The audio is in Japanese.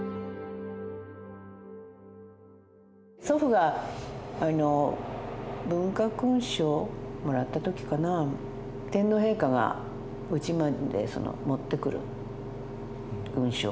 祖父が文化勲章もらった時かな天皇陛下がうちまで持ってくる勲章を。